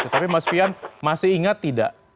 tapi mas fian masih ingat tidak